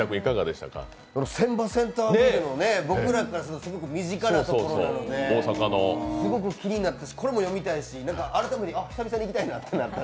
船場センタービルの、僕らからすると、すごく身近なところなのですごく気になったしこれも読みたいし改めて久々に行きたいなってなった。